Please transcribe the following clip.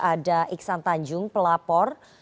ada iksan tanjung pelapor